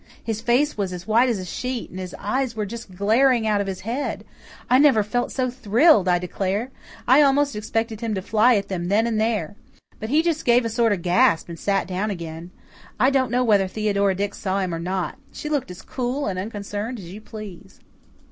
"His face was as white as a sheet, and his eyes were just glaring out of his head. I never felt so thrilled, I declare! I almost expected him to fly at them then and there. But he just gave a sort of gasp and set down again. I don't know whether Theodora Dix saw him or not. She looked as cool and unconcerned as you please."